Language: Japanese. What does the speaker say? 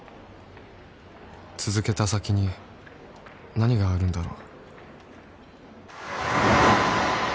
続けた先に何があるんだろう？